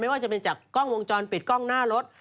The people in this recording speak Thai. ว่าจะเป็นจากกล้องวงจรปิดกล้องหน้ารถ